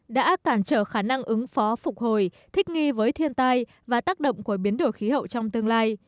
đã cản trở khả năng ứng phó phục hồi thích nghi với thiên tai và tác động của biến đổi khí hậu trong tương lai